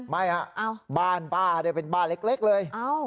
ไม่ฮะบ้านป้าเป็นบ้านเล็กเลย